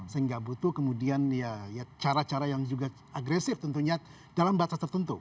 sehingga butuh kemudian ya cara cara yang juga agresif tentunya dalam batas tertentu